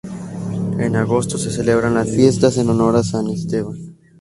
En agosto se celebran las fiestas en honor a San Esteban.